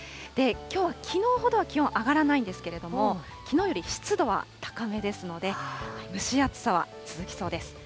きょうはきのうほどは気温上がらないんですけれども、きのうより湿度は高めですので、蒸し暑さは続きそうです。